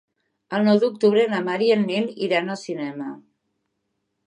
El nou d'octubre na Mar i en Nil iran al cinema.